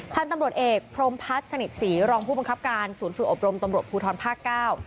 พันธุ์ตำรวจเอกพรมพัฒน์สนิทศรีรองผู้บังคับการศูนย์ฝึกอบรมตำรวจภูทรภาคเก้า